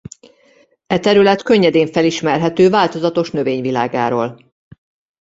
E terület könnyedén felismerhető változatos növényvilágáról.